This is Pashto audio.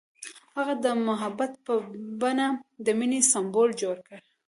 هغه د محبت په بڼه د مینې سمبول جوړ کړ.